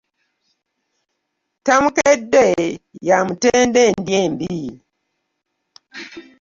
Tamukedde yamutenda endya embi .